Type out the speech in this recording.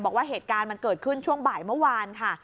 บอกว่าเหตุการณ์มันเกิดขึ้นช่วงบ่ายเมื่อวานค่ะ